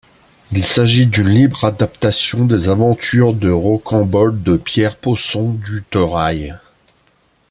Il s’agit d'une libre adaptation des aventures de Rocambole de Pierre Ponson du Terrail.